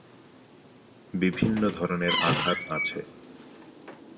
বিভিন্ন ধরনের আঘাত আছে।